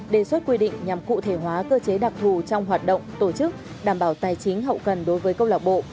đề xuất quy định nhằm cụ thể hóa cơ chế đặc thù trong hoạt động tổ chức đảm bảo tài chính hậu cần đối với câu lạc bộ